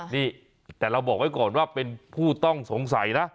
นี่แต่เราบอกไว้ก่อนว่าเป็นผู้ต้องสงสัยนะ